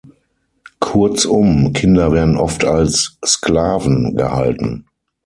Kurzum, Kinder werden oft als Sklaven gehalten.